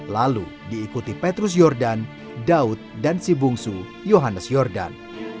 lalu diikuti petrus jordan daud dan si bungsu johannes jordan